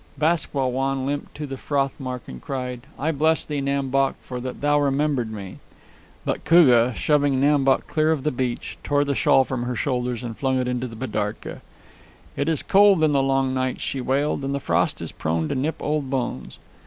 Bask Wah Wan limped to the froth mark and cried, "I bless thee, Nam Bok, for that thou remembered me." But Koogah, shoving Nam Bok clear or the beach, tore the shawl from her shoulders and flung it into the bidarka. "It is cold in the long nights," she wailed; "and the frost is prone to nip old bones."